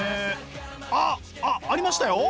あっありましたよ！